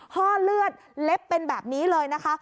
ห้อเลือดเล็บเป็นแบบนี้เลยนะคะ